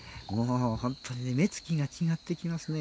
本当に目つきが違ってきますね。